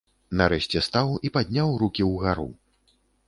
Нарэшце стаў і падняў рукі ўгару.